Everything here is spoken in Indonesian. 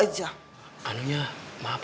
nah ini yang mana